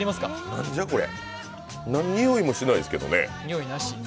なんじゃこれ、何のにおいもしないですけどね。